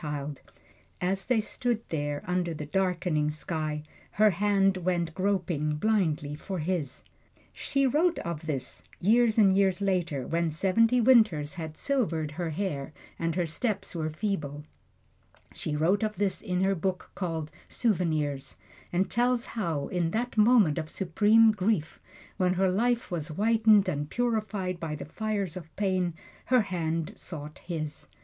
And as they stood there, under the darkening sky, her hand went groping blindly for his. She wrote of this, years and years after, when seventy winters had silvered her hair and her steps were feeble she wrote of this, in her book called, "Souvenirs," and tells how, in that moment of supreme grief, when her life was whitened and purified by the fires of pain, her hand sought his.